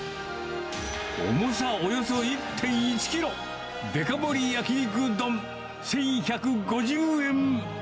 重さおよそ１．１キロ、デカ盛り焼肉丼１１５０円。